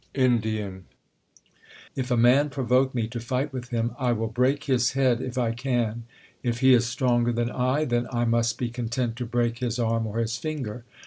Ind, If a man provoke me to tight with him, I will break his head if I can : if he is stronger than I, then I must be content to break his arm or his finger.